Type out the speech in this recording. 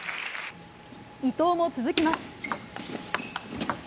伊藤も続きます。